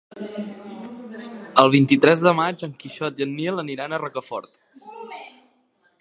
El vint-i-tres de maig en Quixot i en Nil aniran a Rocafort.